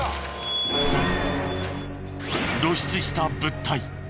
露出した物体。